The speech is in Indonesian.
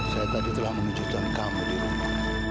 saya tadi telah mengejutkan kamu di rumah